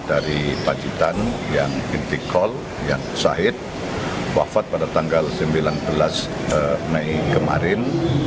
dari pacitan yang itiqol yang sahid wafat pada tanggal sembilan belas mei kemarin